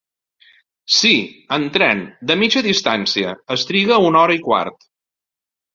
Sí, en tren, de mitja distància, es triga una hora i quart.